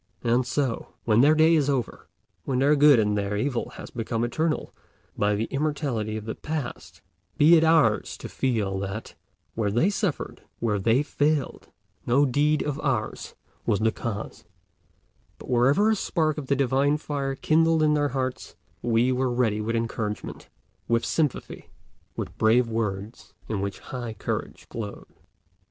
And so, when their day is over, when their good and their evil have become eternal by the immortality of the past, be it ours to feel that, where they suffered, where they failed, no deed of ours was the cause; but wherever a spark of the divine fire kindled in their hearts, we were ready with encouragement, with sympathy, with brave words in which high courage glowed.